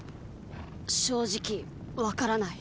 正直分からない。